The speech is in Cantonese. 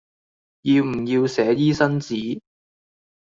要唔要寫醫生紙